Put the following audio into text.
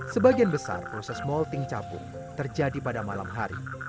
sebagian besar proses molting capung terjadi pada malam hari